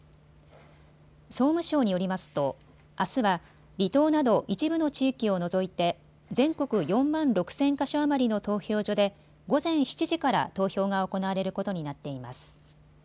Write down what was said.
総務省によりますと、あすは離島など一部の地域を除いて全国４万６０００か所余りの投票所で午前７時から投票が行われることになっています。